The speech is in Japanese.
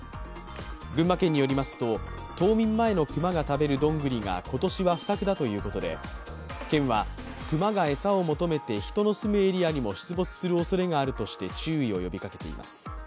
群馬県によりますと、冬眠前の熊が食べるどんぐりが今年は不作だということで、県は熊が餌を求めて人の住むエリアにも出没するおそれがあるとして注意を呼びかけています。